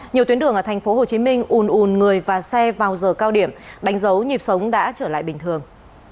nhiều tuyến đường ở tp hcm un ùn người và xe vào giờ cao điểm đánh dấu nhịp sống đã trở lại bình thường